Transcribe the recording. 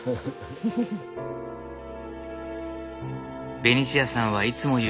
ベニシアさんはいつも言う。